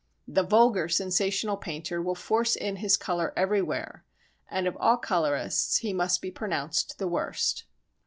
The vulgar sensational painter will force in his colour everywhere, and of all colourists he must be pronounced the worst.